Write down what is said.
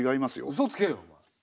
うそつけよお前。